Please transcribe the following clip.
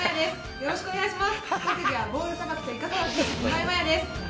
よろしくお願いします！